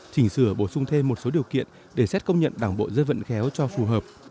chỉnh sửa bổ sung thêm một số điều kiện để xét công nhận đảng bộ dân vận khéo cho phù hợp